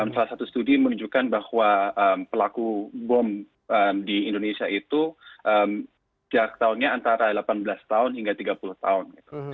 salah satu studi menunjukkan bahwa pelaku bom di indonesia itu jarak tahunnya antara delapan belas tahun hingga tiga puluh tahun